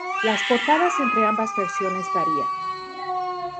Las portadas entre ambas versiones varían.